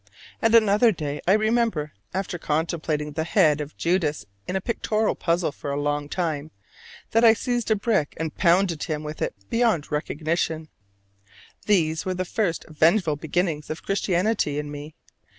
And another day I remember, after contemplating the head of Judas in a pictorial puzzle for a long time, that I seized a brick and pounded him with it beyond recognition: these were the first vengeful beginnings of Christianity in me.